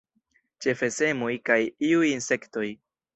Ĉefe semoj kaj iuj insektoj.